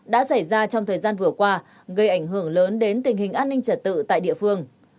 đã xảy ra trong thời gian vừa qua gây ảnh hưởng lớn đến tình hình an ninh trật tự tại địa phương